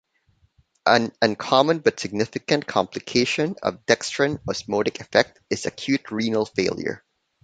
An uncommon but significant complication of dextran osmotic effect is acute renal failure.